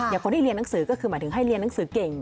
คนที่เรียนหนังสือก็คือหมายถึงให้เรียนหนังสือเก่ง